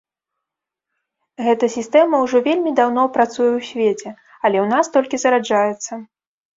Гэта сістэма ўжо вельмі даўно працуе ў свеце, але ў нас толькі зараджаецца.